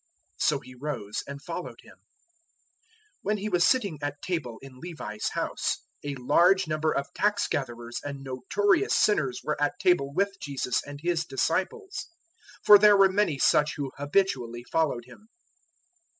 So he rose and followed Him. 002:015 When He was sitting at table in Levi's house, a large number of tax gatherers and notorious sinners were at table with Jesus and His disciples; for there were many such who habitually followed Him.